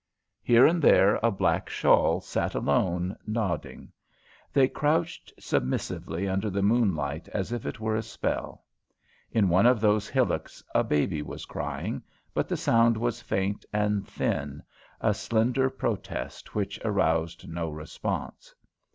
Here and there a black shawl sat alone, nodding. They crouched submissively under the moonlight as if it were a spell. In one of those hillocks a baby was crying, but the sound was faint and thin, a slender protest which aroused no response.